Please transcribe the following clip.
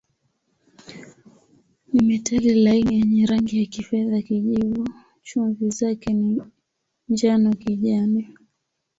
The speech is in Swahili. Ni metali laini yenye rangi ya kifedha-kijivu, chumvi zake ni njano-kijani.